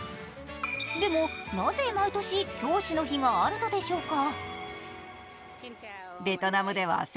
でも、なぜ毎年教師の日があるのでしょうか。